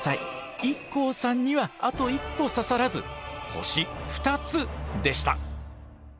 ＩＫＫＯさんにはあと一歩刺さらず星２つでした。